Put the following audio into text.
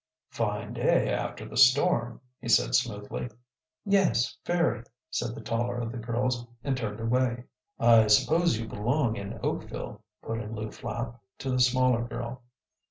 "Fine day after the storm," he said smoothly. "Yes, very," said the taller of the girls, and turned away. "I suppose you belong in Oakville," put in Lew Flapp, to the smaller girl.